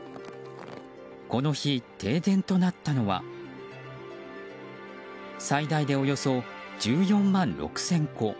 この日、停電となったのは最大でおよそ１４万６０００戸。